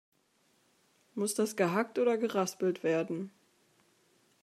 Muss das gehackt oder geraspelt werden?